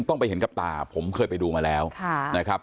ต้องไปเห็นกับตาผมเคยไปดูมาแล้วนะครับ